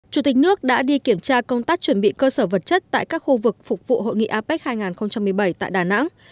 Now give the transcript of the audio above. chủ tịch nước đã đi kiểm tra công tác chuẩn bị cơ sở vật chất tại các khu vực phục vụ hội nghị apec hai nghìn một mươi bảy tại đà nẵng